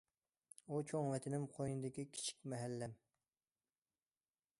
ئۇ چوڭ ۋەتىنىم قوينىدىكى كىچىك مەھەللەم.